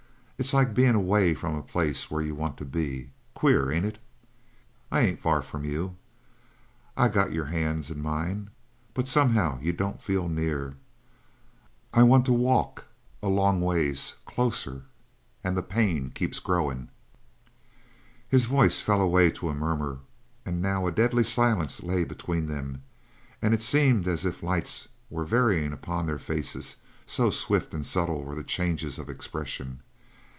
It's like bein' away from a place where you want to be. Queer, ain't it? I ain't far from you. I've got your hands in mine, but somehow you don't feel near. I want to walk a long ways closer. And the pain keeps growin'." His voice fell away to a murmur, and now a deadly silence lay between them, and it seemed as if lights were varying upon their faces, so swift and subtle were the changes of expression.